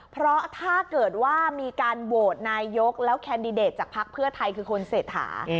เพราะถ้าเกิดว่ามีการโหวตนายกแล้วแคนดิเดตจากภักดิ์เพื่อไทยคือคุณเศรษฐา